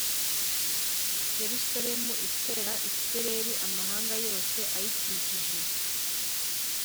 Yerusalemu itera isereri amahanga yose ayikikije